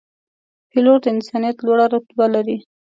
پیلوټ د انسانیت لوړه رتبه لري.